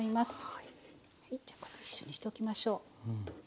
はいじゃあこれ一緒にしときましょう。